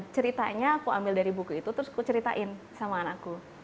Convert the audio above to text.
ceritanya aku ambil dari buku itu terus aku ceritain sama anakku